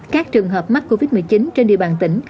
các trường hợp mắc covid một mươi chín trên địa bàn tỉnh